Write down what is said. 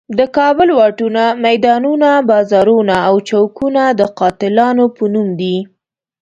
د کابل واټونه، میدانونه، بازارونه او چوکونه د قاتلانو په نوم دي.